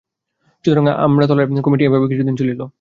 সুতরাং আমড়াতলার কমিটি এইভাবেই কিছুদিন চলিল।